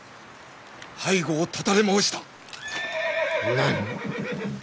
背後を断たれ申した！何！？